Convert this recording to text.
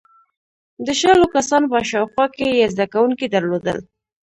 • د شلو کسانو په شاوخوا کې یې زدهکوونکي درلودل.